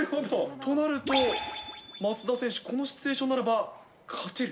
となると、増田選手、このシチュエーションならば勝てる？